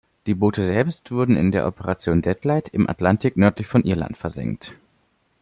Die Boote selbst wurden in der Operation Deadlight im Atlantik nördlich von Irland versenkt.